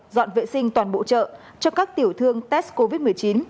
dọn vệ sinh toàn bộ chợ cho các tiểu thương test covid một mươi chín